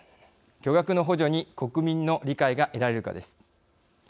巨額の補助に国民の理解が得られるかです。